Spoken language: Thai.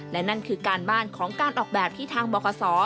และนั่นคือการบ้านของการออกแบบที่ทางบคศ